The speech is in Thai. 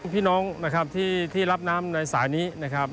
พี่น้องนะครับที่รับน้ำในสายนี้นะครับ